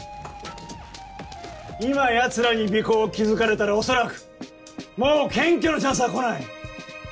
今ヤツらに尾行を気付かれたら恐らくもう検挙のチャンスは来ない。